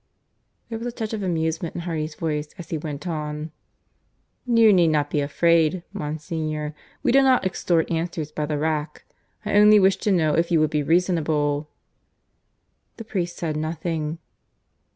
There was a touch of amusement in Hardy's voice as he went on. "You need not be afraid, Monsignor. We do not extort answers by the rack. I only wished to know if you would be reasonable." The priest said nothing.